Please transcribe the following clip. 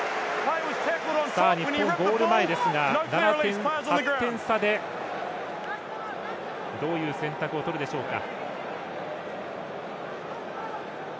日本、ゴール前ですが８点差でどういう選択を取るでしょうか。